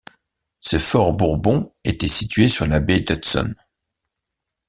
Ce fort Bourbon était situé sur la baie d'Hudson.